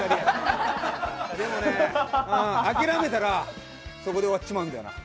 でもね、諦めたらそこで終わっちまうんだよ。